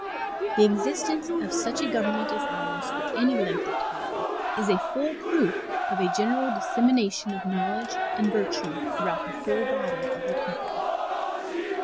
The existence of such a government as ours for any length of time is a full proof of a general dissemination of knowledge and virtue throughout the whole body of the people.